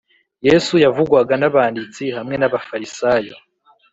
yesu yavugwaga n’abanditsi hamwe n’abafarisayo